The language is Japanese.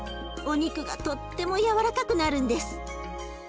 お肉がとっても柔らかくなるんです。